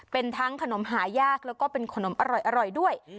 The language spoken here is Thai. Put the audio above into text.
เป็นทั้งขนมหายากแล้วก็เป็นขนมอร่อยด้วย